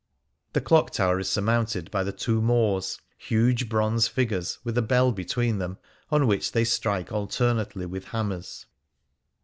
The Clock Tower is surmounted by the " Two Moors," huge bronze figures with a bell between them, on which they strike alternately with hammers.